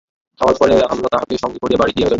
খাওয়ার পরে আমলা তাহাকে সঙ্গে করিয়া বাড়ি দিয়া গেল।